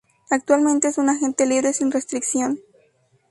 Actualmente es un agente libre sin restricción.